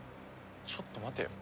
ちょっと待てよ。